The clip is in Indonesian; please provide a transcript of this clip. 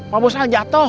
pak bos al jatuh